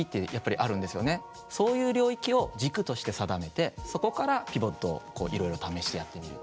そういう領域を軸として定めてそこからピボットをこういろいろ試してやってみる。